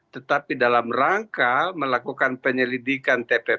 tetapi dalam rangka melakukan penyelidikan tppu itu